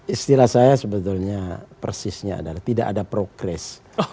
istilah saya sebetulnya persisnya adalah tidak ada progres